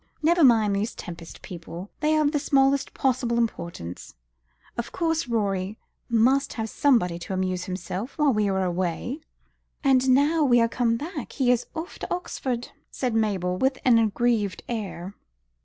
Never mind these Tempest people. They are of the smallest possible importance. Of course, Rorie must have somebody to amuse himself with while we are away." "And now we are come back, he is off to Oxford," said Mabel with an aggrieved air.